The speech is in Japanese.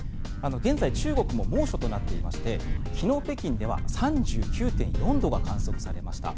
現在、中国も猛暑となっていまして昨日、北京では３９．４度が観測されました。